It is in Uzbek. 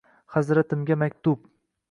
Hazratimga maktub